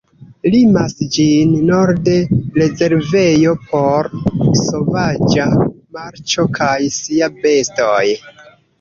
Limas ĝin norde rezervejo por sovaĝa marĉo kaj sia bestoj.